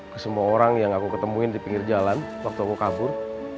ke semua orang yang aku ketemuin di pinggir jalan waktu aku kabur